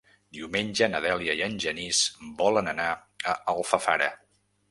Diumenge na Dèlia i en Genís volen anar a Alfafara.